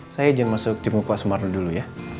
saya ijin masuk timu pak sumarno dulu ya